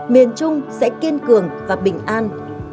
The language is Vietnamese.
miền trung sẽ kiên cường và bình an